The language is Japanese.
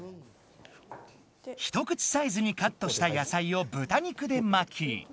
一口サイズにカットした野菜を豚肉で巻き。